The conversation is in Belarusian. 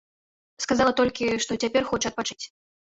Сказала толькі, што цяпер хоча адпачыць.